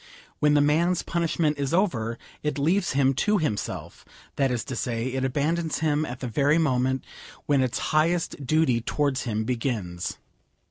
When the man's punishment is over, it leaves him to himself; that is to say, it abandons him at the very moment when its highest duty towards him begins.